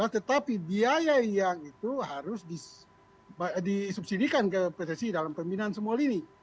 tetapi biaya yang itu harus disubsidikan ke pssi dalam pembinaan semua lini